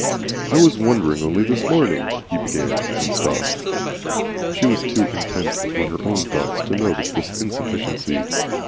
"I was wondering only this morning," he began, and stopped. She was too intent upon her own thoughts to notice this insufficiency.